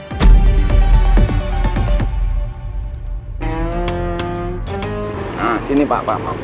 nah sini pak